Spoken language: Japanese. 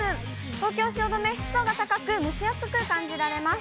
東京・汐留、湿度が高く、蒸し暑く感じられます。